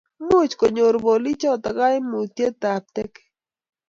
much konyoru bolichoto kaimutietab tege